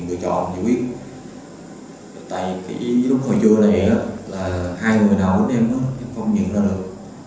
vì trong lúc sai quá thì chịu điểm có nhìn thấy tí nhìn thức không biết đâu em chiếm